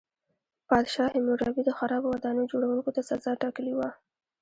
پادشاه هیمورابي د خرابو ودانیو جوړوونکو ته سزا ټاکلې وه.